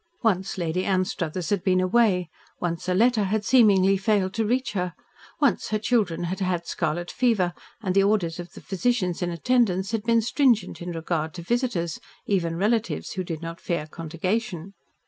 Once Lady Anstruthers had been away, once a letter had seemingly failed to reach her, once her children had had scarlet fever and the orders of the physicians in attendance had been stringent in regard to visitors, even relatives who did not fear contagion.